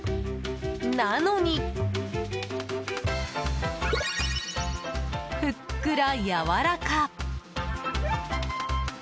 なのに、ふっくらやわらか。